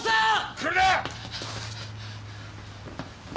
来るな！